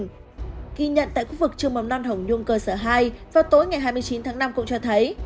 ghi nhận tại khu vực trường mầm non hồng nhung cơ sở hai vào tối ngày hai mươi chín tháng năm cũng cho thấy